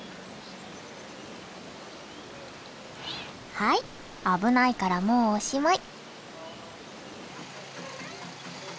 はい危ないからもうおしまい。